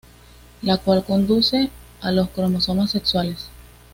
La cual conduce a los cromosomas sexuales.